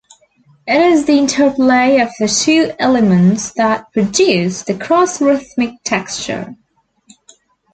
It is the interplay of the two elements that produces the cross-rhythmic texture.